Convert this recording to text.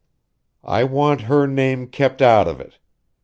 I want her name kept out of it.